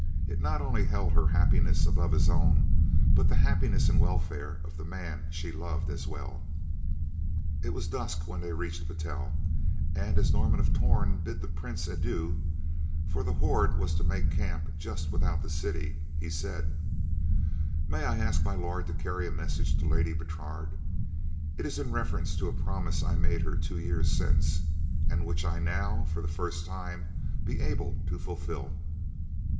It not only held her happiness above his own, but the happiness and welfare of the man she loved, as well. It was dusk when they reached Battel and as Norman of Torn bid the prince adieu, for the horde was to make camp just without the city, he said: "May I ask My Lord to carry a message to Lady Bertrade? It is in reference to a promise I made her two years since and which I now, for the first time, be able to fulfill."